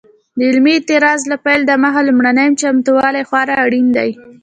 د عملي اعتراض له پیل دمخه لومړني چمتووالي خورا اړین دي.